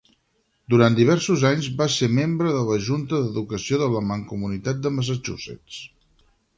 Durant diversos anys va ser membre de la Junta d'Educació de la Mancomunitat de Massachusetts.